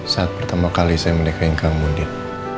saat pertama kali saya melihat keingkangmu din